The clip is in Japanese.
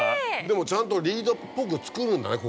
でもちゃんとリードっぽく作るんだね